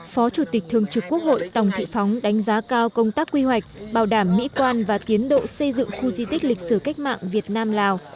phó chủ tịch thường trực quốc hội tòng thị phóng đánh giá cao công tác quy hoạch bảo đảm mỹ quan và tiến độ xây dựng khu di tích lịch sử cách mạng việt nam lào